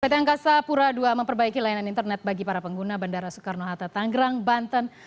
pertiangkasa pura dua memperbaiki layanan internet bagi para pengguna bandara soekarno hatta tanggerang banten